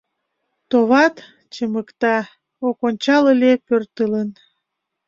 Товат, чымыкта, ок ончал ыле пӧртылын.